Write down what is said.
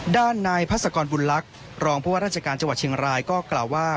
ด้านในพระศกรบุญลักษณ์รองบรรจการจังหวัดเชียงรายก็กล่าวว่า